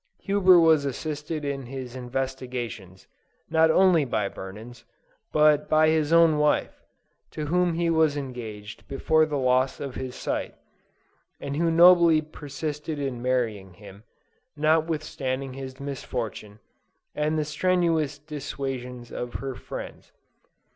Huber was assisted in his investigations, not only by Burnens, but by his own wife, to whom he was engaged before the loss of his sight, and who nobly persisted in marrying him, notwithstanding his misfortune, and the strenuous dissuasions of her friends.